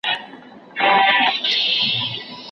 یو له بله به په جار او په قربان وه